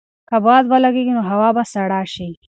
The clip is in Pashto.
که باد ولګېږي نو هوا به سړه شي.